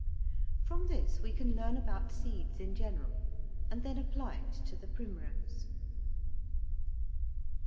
From this we can learn about seeds in general, and then apply it to the primrose.